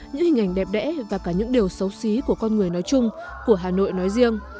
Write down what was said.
những hình ảnh đẹp đẽ và cả những điều xấu xí của con người nói chung của hà nội nói riêng